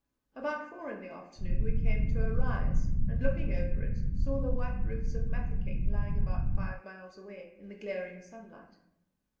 About four in the afternoon we came to a rise, and, looking over it, saw the white roofs of Mafeking lying about five miles away in the glaring sunlight.